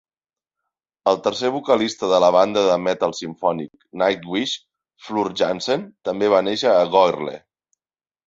El tercer vocalista de la banda de metal simfònic Nightwish, Floor Jansen, també va néixer a Goirle.